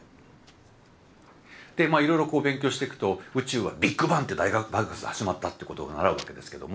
でいろいろ勉強していくと宇宙はビッグバンって大爆発で始まったってことを習うわけですけども。